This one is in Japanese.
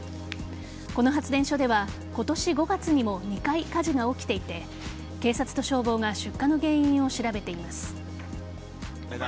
この発電所では今年５月にも２回火事が起きていて警察と消防が出火の原因を調べています。